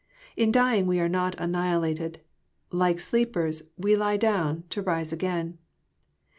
In dy ing we are not annihilated. I^ike sleepers, we lie down, to rise again.